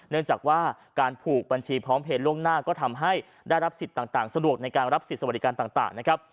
เนื่องจากว่าการผูกบัญชีพร้อมเพลย์ล่วงหน้าก็ทำให้ได้รับสิทธิ์ต่างสะดวกในการรับสิทธิสวัสดิการต่างนะครับ